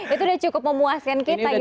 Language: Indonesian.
itu udah cukup memuaskan kita gitu karena gak